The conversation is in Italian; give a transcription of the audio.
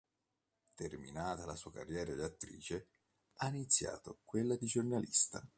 Terminata la sua carriera di attrice ha iniziato quella di giornalista.